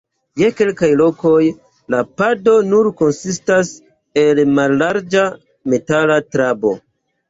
Je kelkaj lokoj la pado nur konsistas el mallarĝa metala trabo.